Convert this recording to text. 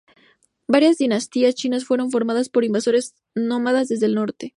Varias dinastías chinas fueron formadas por invasores nómadas desde el norte...